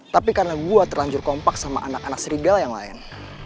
tapi karena gue terlanjur kompak sama anak anak serigal yang lain